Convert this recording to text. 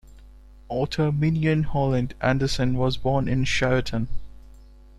Author Mignon Holland Anderson was born in Cheriton.